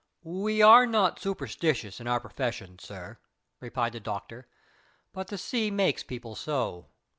"We are not superstitious in our profession, sir," replied the doctor, "but the sea makes people so.